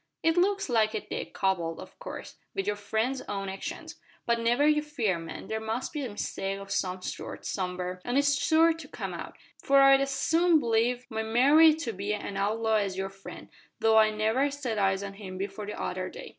"It looks like it, Dick, coupled, of course, wi' your friend's own actions. But never you fear, man. There must be a mistake o' some sort, somewhere, an' it's sure to come out, for I'd as soon believe my Mary to be an outlaw as your friend though I never set eyes on him before the other day.